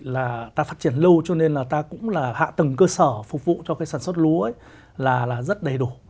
là ta phát triển lâu cho nên là ta cũng là hạ tầng cơ sở phục vụ cho cái sản xuất lúa là rất đầy đủ